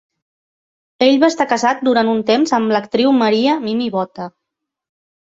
Ell va estar casat durant un temps amb l'actriu Maria "Mimi" Botta.